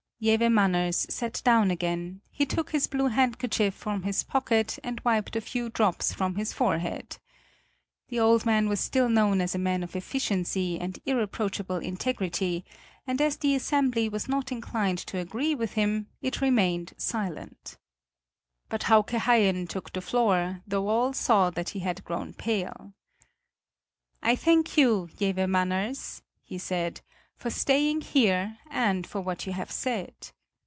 Jewe Manners sat down again; he took his blue handkerchief from his pocket and wiped a few drops from his forehead. The old man was still known as a man of efficiency and irreproachable integrity, and as the assembly was not inclined to agree with him, it remained silent. But Hauke Haien took the floor, though all saw that he had grown pale. "I thank you, Jewe Manners," he said, "for staying here and for what you have said.